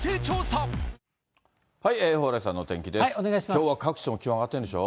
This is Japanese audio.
きょうは各地も気温上がってるんでしょ。